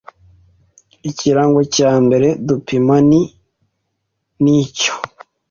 Ikirango cya mbere dupima ni nicyo